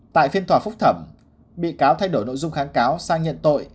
tại phiên tòa phúc thẩm bị cáo thay đổi nội dung kháng cáo sang nhận tội